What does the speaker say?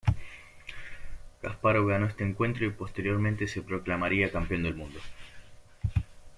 Kaspárov ganó este encuentro y posteriormente se proclamaría campeón de mundo.